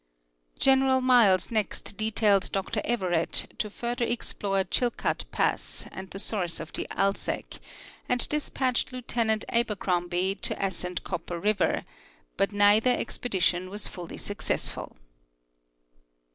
General Miles next detailed Dr Everette to further explore Chilkat pass and the source of the Alsek, and dispatched Lieu tenant Abercrombie to a,scend Copper river, but neither expe dition w.as fully successful.